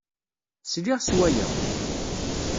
Sliɣ s waya.